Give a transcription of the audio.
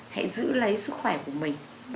hãy giữ lấy sức khỏe của mình